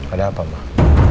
ada apa mah